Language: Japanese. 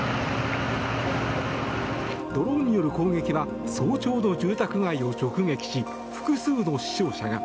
ドローンによる攻撃は早朝の住宅街を直撃し複数の死傷者が。